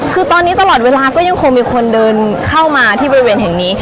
คือตอนนี้ตลอดเวลาก็ยังคงมีคนเดินเข้ามาที่บริเวณแห่งนี้